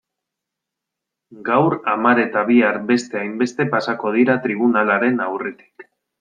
Gaur hamar eta bihar beste hainbeste pasako dira tribunalaren aurretik.